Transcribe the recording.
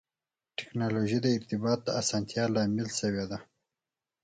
ټکنالوجي د ارتباط د اسانتیا لامل شوې ده.